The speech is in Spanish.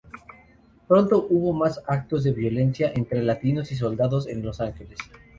Pronto hubo más actos de violencia entre latinos y soldados en Los Ángeles.